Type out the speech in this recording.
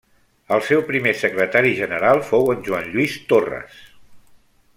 El seu primer secretari general fou en Joan Lluís Torres.